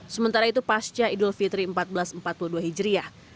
sementara itu pasca idul fitri seribu empat ratus empat puluh dua hijriah